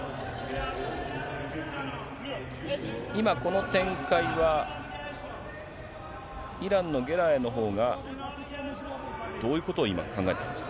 今、この展開は、イランのゲラエイのほうがどういうことを今、考えてますか。